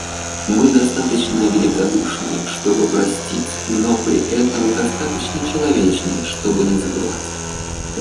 Мы достаточно великодушны, чтобы простить, но при этом достаточно человечны, чтобы не забывать.